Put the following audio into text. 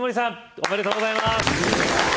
おめでとうございます